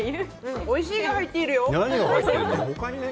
おいしいが入っている？